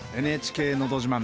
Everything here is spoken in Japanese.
「ＮＨＫのど自慢」